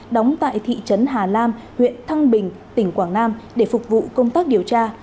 đóng tại thị trấn hà lam huyện thăng bình tỉnh quảng nam để phục vụ công tác điều tra